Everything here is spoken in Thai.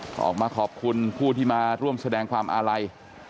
ก็ออกมาขอบคุณผู้ที่มาร่วมแสดงความอาลัย